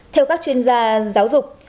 theo các chuyên gia giáo dục